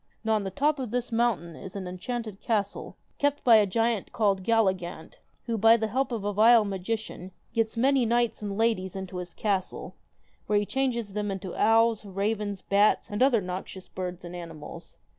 Now on the top of this mountain is an enchanted castle, kept by a giant called Galligant, who, by the help of a vile magician, gets many knights and ladies into his castle, where he changes them into owls, ravens, bats, and other noxious birds and animals.